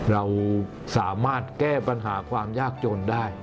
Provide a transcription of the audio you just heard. เราสามารถแก้ปัญหาความยากจนได้